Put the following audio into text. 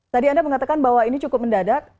tadi anda mengatakan bahwa ini cukup mendadak